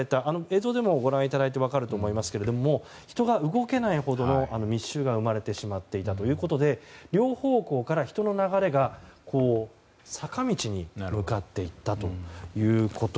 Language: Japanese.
映像でもご覧いただいて分かると思いますが人が動けないほどの密集が生まれてしまっていたということで両方向から人の流れが坂道に向かっていったと。